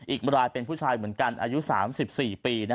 อีกรายเป็นผู้ชายเหมือนกันอายุ๓๔ปี